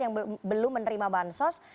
yang belum menerima bansos